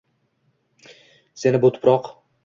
Seni bu tuproq.